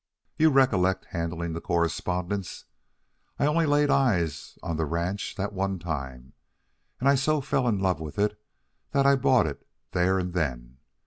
You recollect handling the correspondence. I only laid eyes on the ranch that one time, and I so fell in love with it that I bought it there and then.